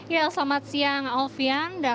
ya selamat siang alfian